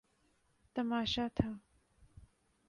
تماشا تھا۔